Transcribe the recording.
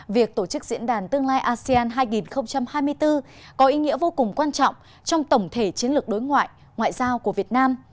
việc tổ chức diễn đàn tương lai asean hai nghìn hai mươi bốn có ý nghĩa vô cùng quan trọng trong tổng thể chiến lược đối ngoại ngoại giao của việt nam